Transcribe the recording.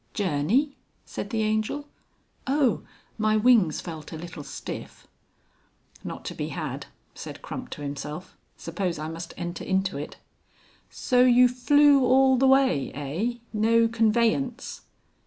"Journey!" said the Angel. "Oh! my wings felt a little stiff." ("Not to be had,") said Crump to himself. ("Suppose I must enter into it.") "So you flew all the way, eigh? No conveyance?"